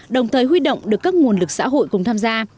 đồng thời huy động được các nguồn lực xã hội cùng tham gia